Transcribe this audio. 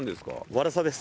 ワラサです。